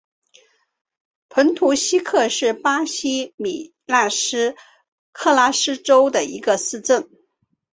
蓬图希克是巴西米纳斯吉拉斯州的一个市镇。